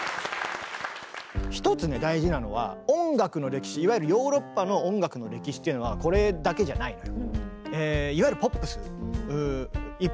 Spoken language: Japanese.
一つね大事なのは音楽の歴史いわゆるヨーロッパの音楽の歴史っていうのはこれだけじゃないのよ。